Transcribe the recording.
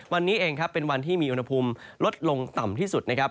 วันนี้เองครับเป็นวันที่มีอุณหภูมิลดลงต่ำที่สุดนะครับ